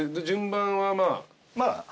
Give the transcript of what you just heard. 順番はまあ。